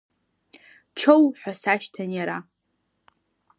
Чоу ҳәа сашьҭан иара.